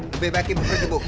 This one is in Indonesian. lebih baik ibu pergi ibu